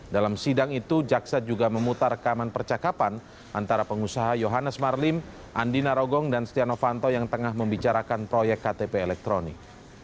dalam sidang itu jaksa juga memutar rekaman percakapan antara pengusaha yohanes marlim andina rogong dan stiano fanto yang tengah membicarakan proyek ktp elektronik